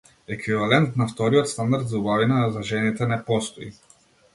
Еквивалент на вториот стандард за убавина за жените не постои.